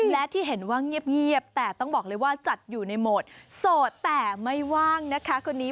และที่เห็นว่าเงียบแต่ต้องบอกเลยว่าจัดอยู่ในโหมดโสดแต่ไม่ว่างนะคะคนนี้